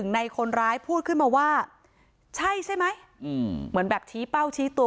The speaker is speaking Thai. ในคนร้ายพูดขึ้นมาว่าใช่ใช่ไหมเหมือนแบบชี้เป้าชี้ตัว